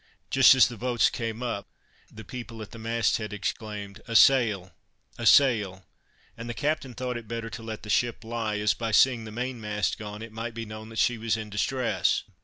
Just as the boats came up, the people at the mast head exclaimed, "A sail! a sail!" and the captain thought it better to let the ship lie, as by seeing the main mast gone, it might be known that she was in distress.